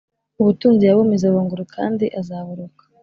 Ubutunzi yabumize bunguri kandi azaburuka